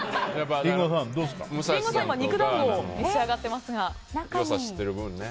リンゴさん、肉団子を召し上がっていますが。